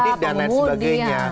budi dan lain sebagainya